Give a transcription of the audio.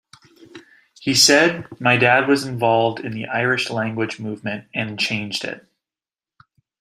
He said, My dad was involved in the Irish language movement and changed it.